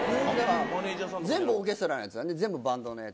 全部オーケストラのやつだね全部バンドのやつで。